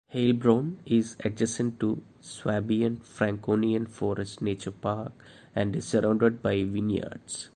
Heilbronn is adjacent to Swabian-Franconian Forest Nature Park and is surrounded by vineyards.